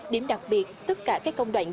điểm đặc biệt tất cả các công đoạn